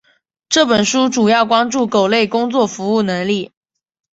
这本书主要关注狗类工作服从能力。